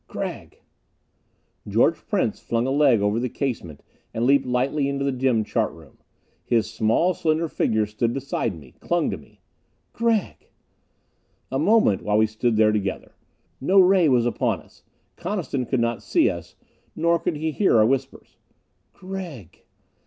"Gregg." George Prince flung a leg over the casement and leaped lightly into the dim chart room. His small slender figure stood beside me, clung to me. "Gregg." A moment, while we stood there together. No ray was upon us. Coniston could not see us, nor could he hear our whispers. "Gregg."